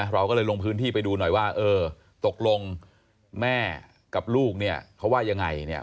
เราก็เลยลงพื้นที่ไปดูหน่อยว่าเออตกลงแม่กับลูกเนี่ยเขาว่ายังไงเนี่ย